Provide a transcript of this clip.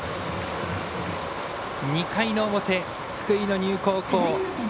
２回の表、福井の丹生高校。